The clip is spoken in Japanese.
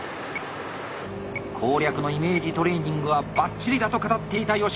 攻略のイメージトレーニングはバッチリだと語っていた吉原。